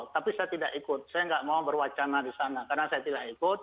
tapi saya tidak ikut saya tidak mau berwacana di sana karena saya tidak ikut